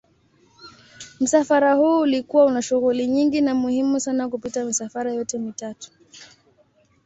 Msafara huu ulikuwa una shughuli nyingi na muhimu sana kupita misafara yote mitatu.